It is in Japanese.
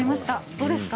どうですか？